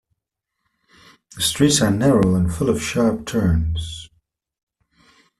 The streets are narrow and full of sharp turns.